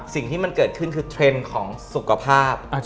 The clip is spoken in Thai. สิ่งที่มันเกิดขึ้นคือเทรนด์ของสุขภาพ